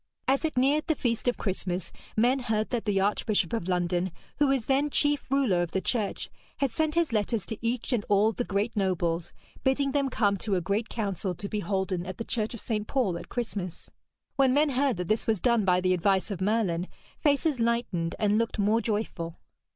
As it neared the feast of Christmas, men heard that the Archbishop of London, who was then chief ruler of the Church, had sent his letters to each and all the great nobles, bidding them come to a great council to be holden at the church of St. Paul at Christmas. When men heard that this was done by the advice of Merlin, faces lightened and looked more joyful.